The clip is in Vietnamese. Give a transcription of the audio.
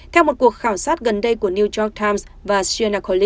theo một cuộc khảo sát gần đây của new york times và sinacoli